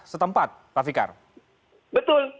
setempat pak fikar betul